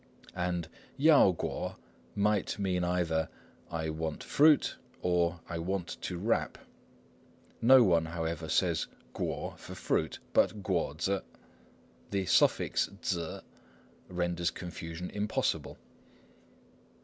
And yao kuo might mean either "I want fruit" or "I want to wrap." No one, however, says kuo for "fruit," but kuo tzŭ. The suffix tzŭ renders confusion impossible.